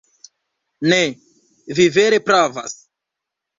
Ne, vi vere pravas.